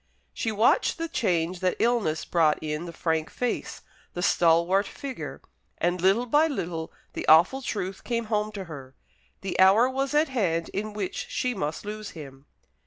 She watched the change that illness brought in the frank face, the stalwart figure; and little by little the awful truth came home to her. The hour was at hand in which she must lose him.